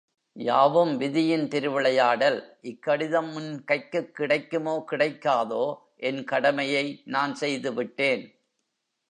யாவும் விதியின் திரு விளையாடல், இக்கடிதம் உன் கைக்குக் கிடைக்குமோ கிடைக்காதோ என் கடமையை நான் செய்துவிட்டேன்.